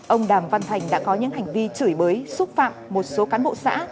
ông đàm văn thành đã có những hành vi chửi bới xúc phạm một số cán bộ xã